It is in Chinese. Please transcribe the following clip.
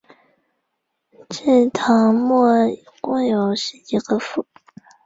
至唐末共有十几个府。